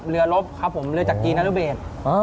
เรือรบครับผมเมืองจักรีนารุเบส